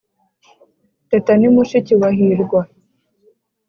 teta ni mushiki wa hirwa